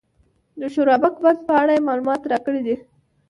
د شورابک بند په اړه یې معلومات راکړي دي.